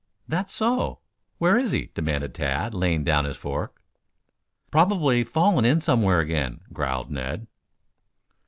"That's so, where is he?" demanded Tad, laying down his fork. "Probably fallen in somewhere again," growled Ned.